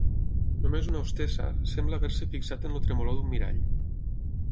Només una hostessa sembla haver-se fixat en el tremolor d'un mirall.